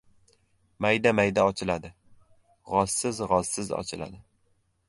Mayda-mayda ochiladi. G‘ozsiz- g‘ozsiz ochiladi.